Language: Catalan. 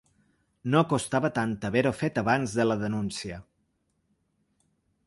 No costava tant haver-ho fet abans de la denúncia.